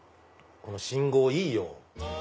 この信号いいよ。